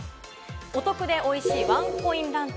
お得でおいしいワンコインランチ。